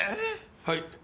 はい。